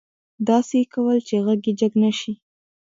داسې يې کول چې غږ يې جګ نه شي.